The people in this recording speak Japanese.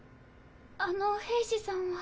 あの兵士さんは。